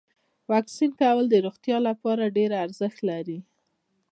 واکسین کول د روغتیا لپاره ډیر ارزښت لري.